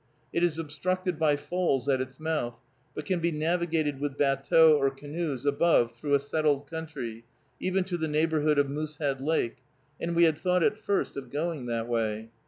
It is obstructed by falls at its mouth, but can be navigated with batteaux or canoes above through a settled country, even to the neighborhood of Moosehead Lake, and we had thought at first of going that way.